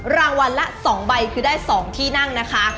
รางวัลละ๒ใบคือได้๒ที่นั่งนะคะ